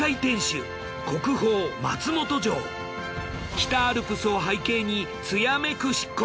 北アルプスを背景につやめく漆黒。